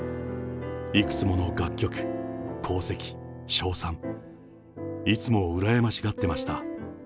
いくつもの楽曲、功績、賞賛、いつも羨ましがってました。